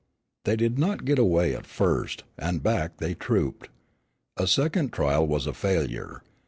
They did not get away at first, and back they trooped. A second trial was a failure.